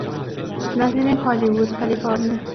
Nacido en Hollywood, California.